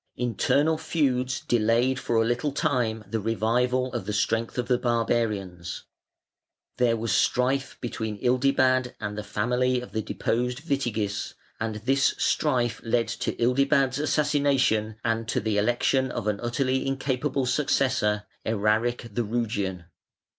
Internal feuds delayed for a little time the revival of the strength of the barbarians. There was strife between Ildibad and the family of the deposed Witigis, and this strife led to Ildibad's assassination and to the election of an utterly incapable successor, Eraric the Rugian.